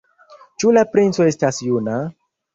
Ĉu la princo estas juna?